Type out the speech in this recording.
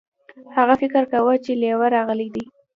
هغه فکر کاوه چې لیوه راغلی دی.